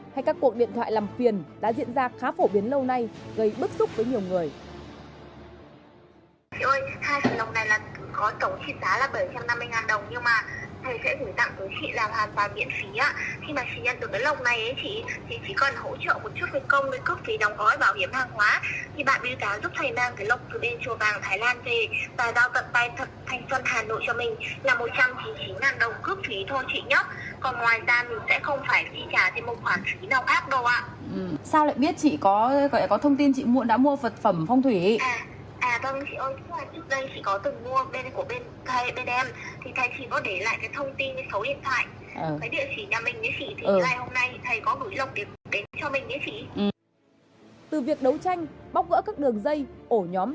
hay các cuộc điện thoại làm phiền đã diễn ra khá phổ biến lâu nay gây bức xúc với nhiều người